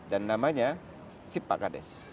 dan namanya sipak kades